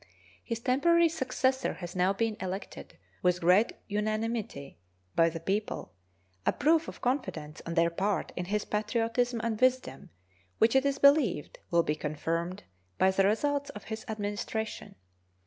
His temporary successor has now been elected with great unanimity by the people a proof of confidence on their part in his patriotism and wisdom which it is believed will be confirmed by the results of his administration.